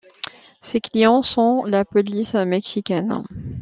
Ses clients sont la police mexicaine.